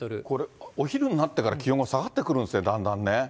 これ、お昼になってから、気温が下がってくるんですね、だんだんね。